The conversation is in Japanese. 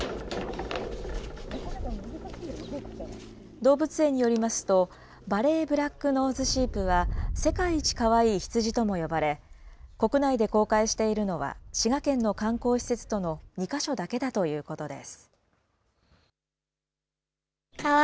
動物園によりますと、ヴァレーブラックノーズシープは、世界一かわいい羊とも呼ばれ、国内で公開しているのは滋賀県の観光施設との２か所だけだということです。